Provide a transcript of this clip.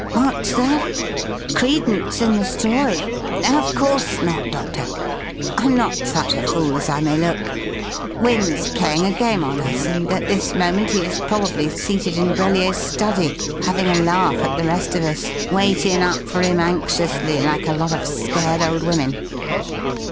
"What's that? Credence in the story? Of course not, Doctor. I'm not such a fool as I may look. Wynne's playing a game on us, and at this moment he is probably seated in Brellier's study having a laugh at the rest of us, waitin' up for him anxiously, like a lot of scared old women.